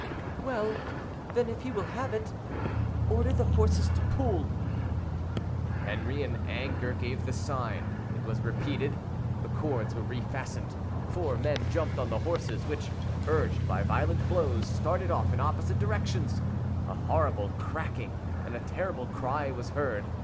"Well, then, if he will have it, order the horses to pull." Henri, in anger, gave the sign. It was repeated, the cords were refastened, four men jumped on the horses, which, urged by violent blows, started off in opposite directions. A horrible cracking, and a terrible cry was heard.